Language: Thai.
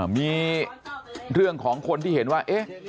มีเรื่องของคนที่เห็นว่าเอ๊ะ